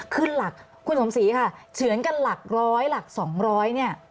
ขึ้นหลักคุณสมศรีค่ะเฉือนกันหลักร้อยหลัก๒๐๐เนี่ย